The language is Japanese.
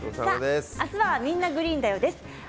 明日は「みんな！グリーンだよ」です。